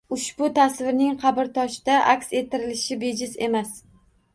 — Ushbu tasvirning qabrtoshda aks ettirilishi bejiz emas